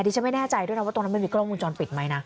ฉันไม่แน่ใจด้วยนะว่าตรงนั้นมันมีกล้องวงจรปิดไหมนะ